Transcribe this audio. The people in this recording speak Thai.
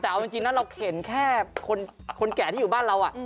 แต่เอาจริงเราเข็นแค่คนแก่ที่ใบ้เรา